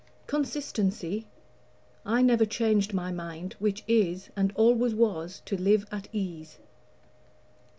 Consistency? I never changed my mind, Which is, and always was, to live at ease.